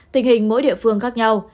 tình hình mỗi địa phương khác nhau